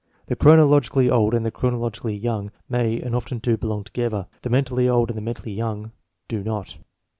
The chronologically old and the chronologically young may and often do belong together, the mentally old and the mentally young do not.